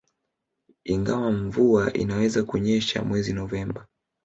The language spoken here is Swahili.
Ingawa mvua inaweza kunyesha mwezi Novemba